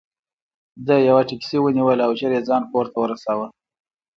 ده یوه ټکسي ونیوله او ژر یې ځان کور ته ورساوه.